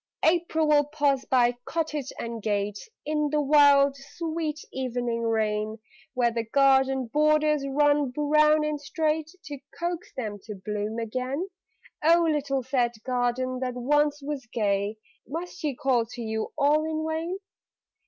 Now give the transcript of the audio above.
April will pause by cottage and gate In the wild, sweet evening rain, Where the garden borders run brown and straight, To coax them to bloom again. (Oh, little sad garden that once was gay, Must she call to you all in vain?)